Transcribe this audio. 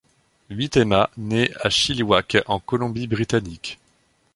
Huitema naît à Chilliwack en Colombie Britannique.